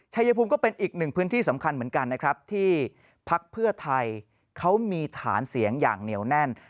ชายภูมิก็เป็นอีกหนึ่งพื้นที่สำคัญเหมือนกันนะครับที่พักเพื่อไทยเขามีฐานเสียงอย่างเหนียวแน่น